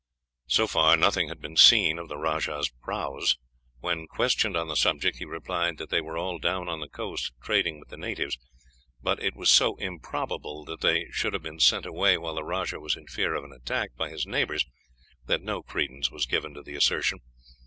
So far, nothing had been seen of the rajah's prahus. When questioned on the subject, he replied that they were all down on the coast, trading with the natives; but it was so improbable that they should have been sent away while the rajah was in fear of an attack by his neighbors that no credence was given to the assertion.